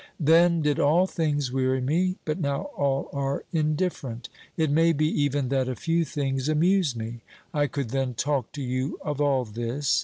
Then did all things weary me, but now all are indifferent. It may be even that a few things amuse me; 1 could then talk to you of all this.